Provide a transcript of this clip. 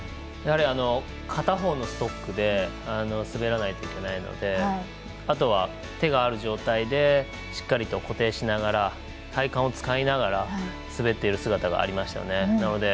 やはり、片方のストックで滑らないといけないのであとは、手がある状態でしっかりと固定しながら体幹を使いながら滑っている姿がありましたね。